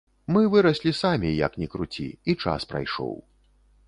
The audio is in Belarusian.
Мы выраслі самі, як ні круці, і час прайшоў.